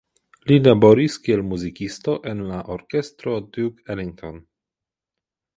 Li laboris kiel muzikisto en la Orkestro Duke Ellington.